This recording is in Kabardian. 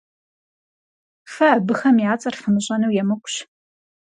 Фэ абыхэм я цӀэр фымыщӀэну емыкӀущ.